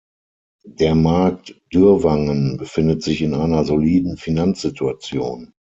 Der Markt Dürrwangen befindet sich in einer soliden Finanzsituation.